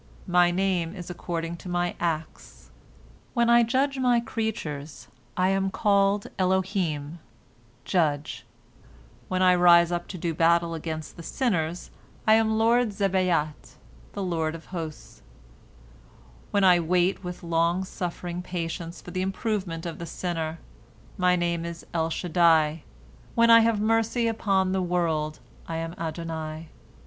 My Name is according to My acts. When I judge My creatures, I am called Elohim, "judge"; when I rise up to do battle against the sinners, I am Lord Zebaot, "the Lord of hosts"; when I wait with longsuffering patience for the improvement of the sinner, My name is El Shaddai; when I have mercy upon the world, I am Adonai.